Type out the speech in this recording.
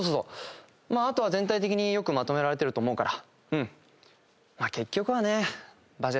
あとは全体的によくまとめられてると思うから。